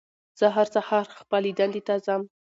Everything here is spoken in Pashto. زه هر سهار خپلې دندې ته ځم